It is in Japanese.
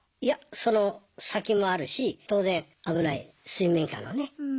いやその先もあるし当然危ない水面下のね。